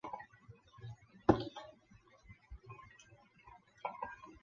柠檬黄层腹菌是属于伞菌目层腹菌科层腹菌属的一种担子菌。